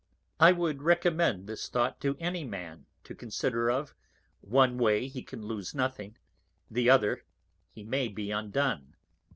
_ _I would recommend this Thought to any Man to consider of, one Way he can lose nothing, the other he may be undone.